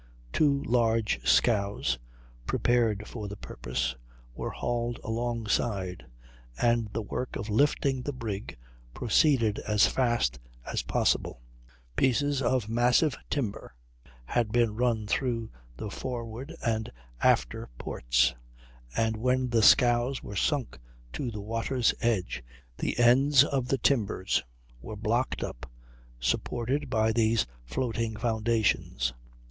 "Two large scows, prepared for the purpose, were hauled alongside, and the work of lifting the brig proceeded as fast as possible. Pieces of massive timber had been run through the forward and after ports, and when the scows were sunk to the water's edge, the ends of the timbers were blocked up, supported by these floating foundations.